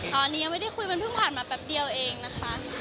ตอนนี้ยังไม่ได้คุยมันเพิ่งผ่านมาแป๊บเดียวเองนะคะ